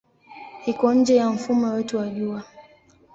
Iko nje ya mfumo wetu wa Jua.